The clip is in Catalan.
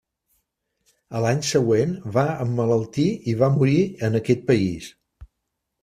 A l'any següent, va emmalaltir i va morir en aquest país.